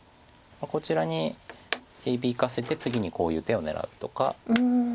こちらに響かせて次にこういう手を狙うとか。